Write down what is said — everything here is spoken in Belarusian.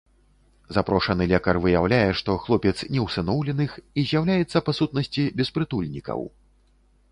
Запрошаны лекар выяўляе, што хлопец не усыноўленых і з'яўляецца па сутнасці беспрытульнікаў.